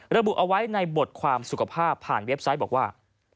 ระบุเอาไว้ในบทความสุขภาพผ่านเว็บไซต์บอกว่า